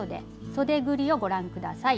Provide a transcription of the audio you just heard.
そでぐりをご覧ください。